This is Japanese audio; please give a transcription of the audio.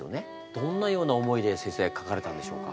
どんなような思いで先生書かれたんでしょうか？